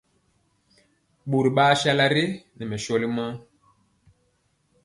Ɓori ɓaa sala re nɛ mɛ sɔli maŋ.